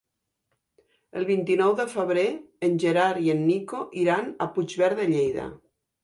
El vint-i-nou de febrer en Gerard i en Nico iran a Puigverd de Lleida.